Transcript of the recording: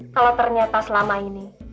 kalau ternyata selama ini